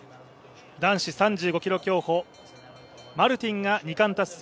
男子３５ｋｍ競歩、マルティンが２冠達成